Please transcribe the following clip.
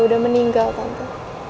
udah meninggal tante